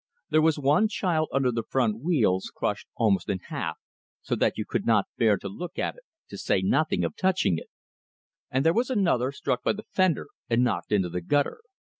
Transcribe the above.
There was one child under the front wheels, crushed almost in half, so that you could not bear to look at it, to say nothing of touching it; and there was another, struck by the fender and knocked into the gutter.